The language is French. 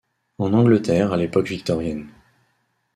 En Angleterre à l'époque victorienne.